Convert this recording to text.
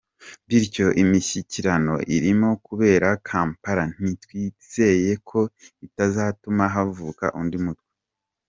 Bityo imishyikirano irimo kubera Kampala nti twizeye ko itazatuma havuka undi mutwe.